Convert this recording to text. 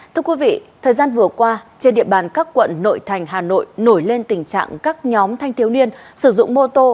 thưa quý vị thời gian vừa qua trên địa bàn các quận nội thành hà nội nổi lên tình trạng các nhóm thanh thiếu niên sử dụng mô tô